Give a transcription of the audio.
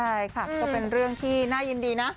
ใช่ค่ะก็เป็นเรื่องที่น่ายินดีนะ